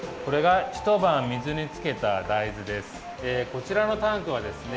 こちらのタンクはですね